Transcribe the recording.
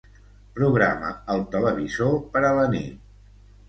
Programa el televisor per a la nit.